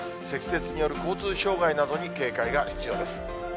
積雪による交通障害などに警戒が必要です。